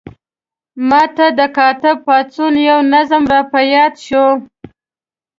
ما ته د کاتب پاڅون یو نظم را په یاد شو.